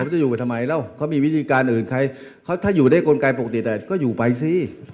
ผมจะอยู่ไปทำไมแล้วเขามีวิธีการอื่นถ้าอยู่ในกลไกปกติก็อยู่ไปสิ